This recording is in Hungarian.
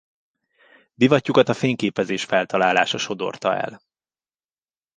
Divatjukat a fényképezés feltalálása sodorta el.